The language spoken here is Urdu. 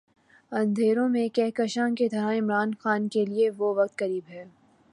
اندھیروں میں کہکشاں کی طرح عمران خان کے لیے وہ وقت قریب ہے۔